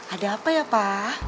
ada apa ya pa